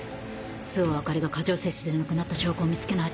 周防あかりが過剰摂取で亡くなった証拠を見つけないと。